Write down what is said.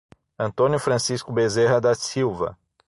Antônio Francisco Bezerra da Silva